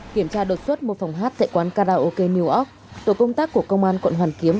kiểm tra đột xuất một phòng hát tại quán karaoke new ork tổ công tác của công an quận hoàn kiếm